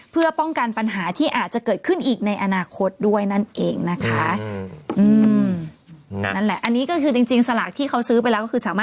เพื่อป้องกันปัญหาที่อาจจะเกิดขึ้นอีกในอนาคตด้วยนั่นเองนะคะ